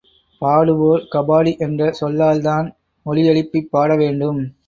பாடுவோர் கபாடி என்ற சொல்லால்தான் ஒலியெழுப்பிப் பாட வேண்டும்.